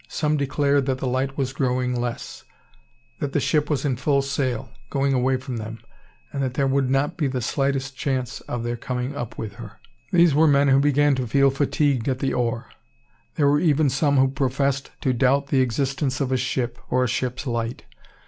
Some declared that the light was growing less; that the ship was in full sail, going away from them; and that there would not be the slightest chance of their coming up with her. These were men who began to feel fatigued at the oar. There were even some who professed to doubt the existence of a ship, or a ship's light.